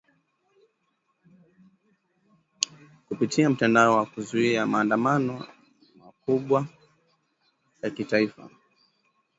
kupitia mtandao na kuzua maandamano makubwa ya kitaifa